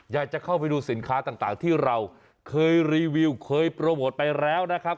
อยากจะเข้าไปดูสินค้าต่างที่เราเคยรีวิวเคยโปรโมทไปแล้วนะครับ